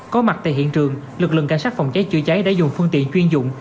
có mặt tại hiện trường lực lượng cảnh sát phòng cháy chữa cháy đã dùng phương tiện chuyên dụng